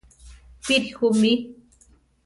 Píri ju mí?